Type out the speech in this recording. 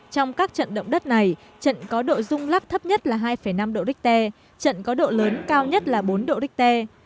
trong các trận động đất này trận có độ rung lắc thấp nhất là hai năm độ richter trận có độ lớn cao nhất là bốn độ richter